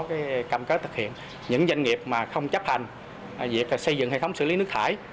cái cam kết thực hiện những doanh nghiệp mà không chấp hành việc xây dựng hệ thống xử lý nước thải